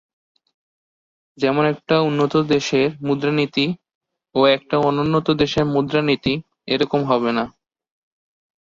যেমন একটা উন্নত দেশের মুদ্রানীতি ও একটা অনুন্নত দেশের মুদ্রানীতি একরকম হবে না।